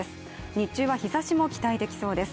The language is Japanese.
日中は日ざしも期待できそうです。